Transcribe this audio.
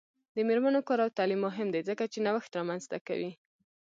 د میرمنو کار او تعلیم مهم دی ځکه چې نوښت رامنځته کوي.